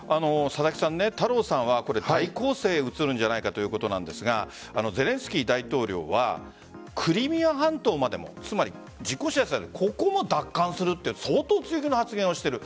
太郎さんは大攻勢へ移るんじゃないかということですがゼレンスキー大統領はクリミア半島までもつまりここも奪還すると相当強気の発言をしている。